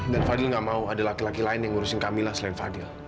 dan fadil gak mau ada laki laki lain yang ngurusin kamila selain fadil